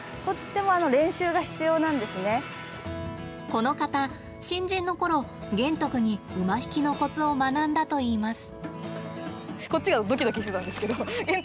この方、新人のころ玄徳に馬引きのコツを学んだといいます。